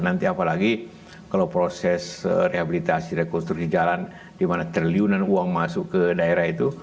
nanti apalagi kalau proses rehabilitasi rekonstruksi jalan di mana triliunan uang masuk ke daerah itu